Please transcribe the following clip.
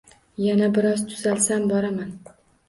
Yana biroz tuzalsam, boraman.